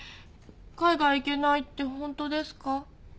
海外行けないってホントですか？